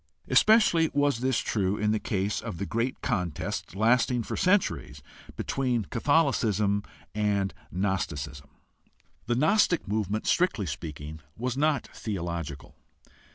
Especially was this true in the case of the great contest lasting for centuries between Catholicism and Gnosticism. The gnostic movement, strictly speaking, was not theological.